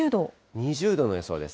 ２０度の予想です。